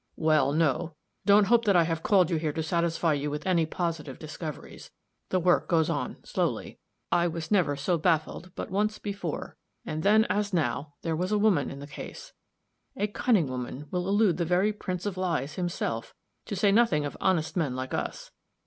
"Well, no. Don't hope that I have called you here to satisfy you with any positive discoveries. The work goes on slowly. I was never so baffled but once before; and then, as now, there was a woman in the case. A cunning woman will elude the very Prince of Lies, himself, to say nothing of honest men like us.